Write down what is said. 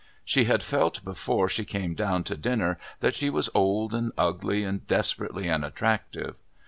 She had felt before she came down to dinner that she was old and ugly and desperately unattractive.